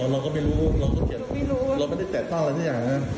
อ๋อเราก็ไม่รู้เราก็เขียนเราก็ไม่ได้แตกตั้งอะไรอย่างนั้น